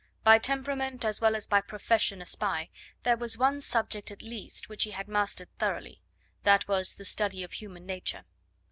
By temperament as well as by profession a spy, there was one subject at least which he had mastered thoroughly: that was the study of human nature.